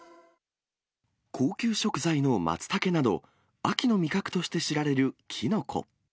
高級食材のマツタケなど、秋の味覚として知られるキノコ。